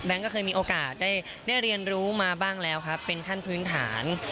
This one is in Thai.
ก็เคยมีโอกาสได้เรียนรู้มาบ้างแล้วครับเป็นขั้นพื้นฐาน